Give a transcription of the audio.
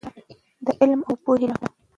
د علم او پوهې لاره.